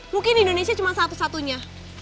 mungkin indonesia cuma satu satunya